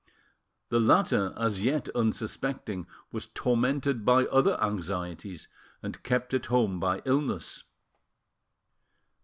The latter, as yet unsuspecting, was tormented by other anxieties, and kept at home by illness.